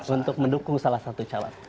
untuk mendukung salah satu calon